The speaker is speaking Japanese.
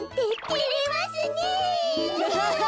てれますねえ。